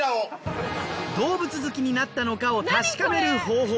動物好きになったのかを確かめる方法それが。